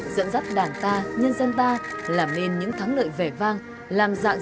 dẫn dắt đảng ta nhân dân ta làm nên những thắng lợi vẻ vang